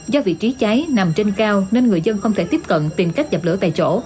do vị trí cháy nằm trên cao nên người dân không thể tiếp cận tìm cách dập lửa tại chỗ